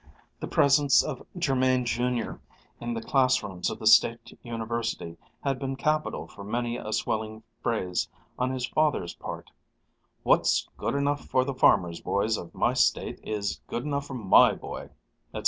The presence of Jermain, Jr., in the classrooms of the State University had been capital for many a swelling phrase on his father's part "What's good enough for the farmers' boys of my State is good enough for my boy," etc.